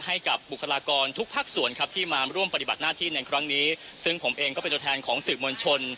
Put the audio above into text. ให้กับบุคลากรทุกภาคส่วนครับที่มาร่วมปฏิบัติหน้าที่ในครั้งนี้ซึ่งผมเองก็เป็นตัวแทนของสื่อมวลชน